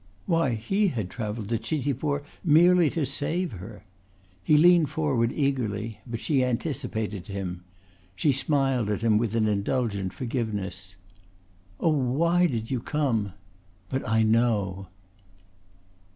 Why, he had travelled to Chitipur merely to save her. He leaned forward eagerly but she anticipated him. She smiled at him with an indulgent forgiveness. "Oh, why did you come? But I know."